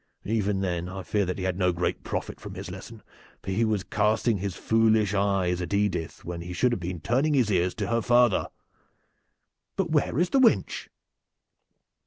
Even then I fear that he had no great profit from his lesson, for he was casting his foolish eyes at Edith when he should have been turning his ears to her father. But where is the wench?"